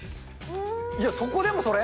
いや、そこでもそれ。